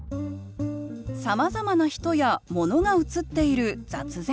さまざまな人やものが写っている雑然とした写真。